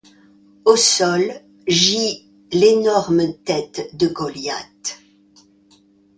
Au sol gît l'énorme tête de Goliath.